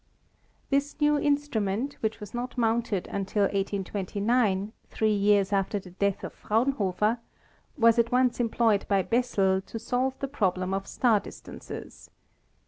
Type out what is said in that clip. This new instrument, which was not mounted until 1829, three years after the death of Fraun hofer, was at once employed by Bessel to solve the problem of star distances.